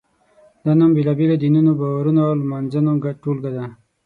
دا نوم بېلابېلو دینونو، باورونو او لمانځنو ټولګه ده.